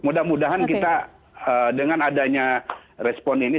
mudah mudahan kita dengan adanya respon ini